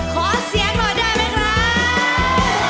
ขอเสียงหน่อยได้ไหมครับ